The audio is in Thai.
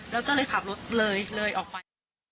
แล้วก็เลยขับรถเลยเลยออกไป